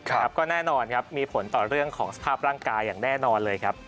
ครับก็แน่นอนครับมีผลต่อเรื่องของสภาพร่างกายอย่างแน่นอนเลยครับ